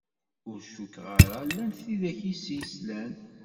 Ur cukkeɣ ara llant tidak i s-yeslan.